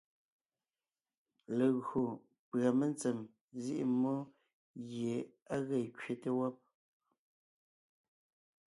Legÿo pʉ́a mentsèm nzíʼi mmó gie á ge kẅete wɔ́b,